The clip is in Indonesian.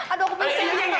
aduh aku bisa